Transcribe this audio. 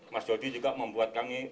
mas jody juga membuat kami